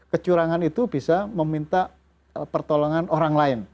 kecurangan itu bisa meminta pertolongan orang lain